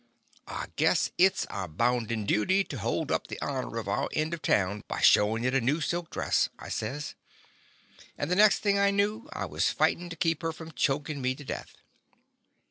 "I guess it 's our bounden duty to hold up the honor of our end of town by showin' it a new silk dress/' I says, and the next thing I knew I was fight in' to keep her from chokin' me to death.